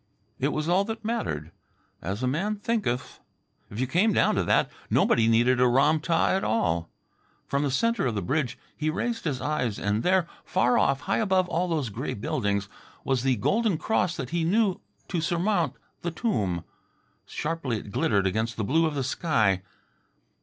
It was all that mattered. "As a man thinketh " If you came down to that, nobody needed a Ram tah at all. From the centre of the bridge he raised his eyes and there, far off, high above all those gray buildings, was the golden cross that he knew to surmount the tomb. Sharply it glittered against the blue of the sky.